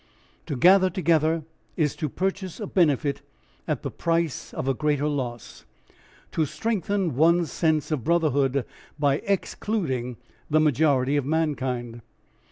To gather together is to purchase a benefit at the price of a greater loss, to strengthen one's sense of brotherhood by excluding the majority of mankind.